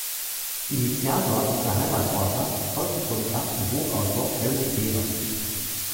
Initiator ist der Heimatforscher, Volkskundler und Buchautor Helmut Seebach.